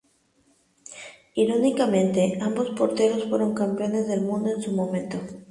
Irónicamente, ambos porteros fueron campeones del mundo en su momento.